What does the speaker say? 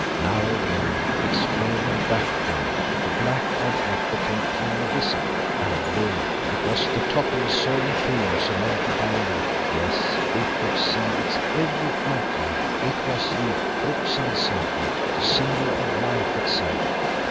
Now against its flaming background the black object became clearly visible, and lo! it was the top of a soaring pillar surmounted by a loop. Yes, we could see its every outline. It was the crux ansata, the Symbol of Life itself.